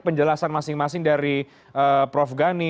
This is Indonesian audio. penjelasan masing masing dari prof gani